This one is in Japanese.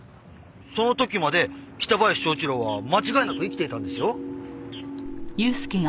その時まで北林昭一郎は間違いなく生きていたんですよ。